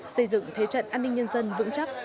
xây dựng thế trận an ninh nhân dân vững chắc